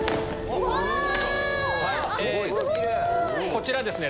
こちらですね